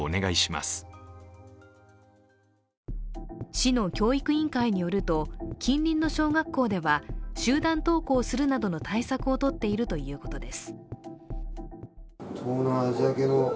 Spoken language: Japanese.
市の教育委員会によると近隣の小学校では集団登校するなどの対策をとっているということです。